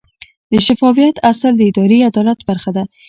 د شفافیت اصل د اداري عدالت برخه ده.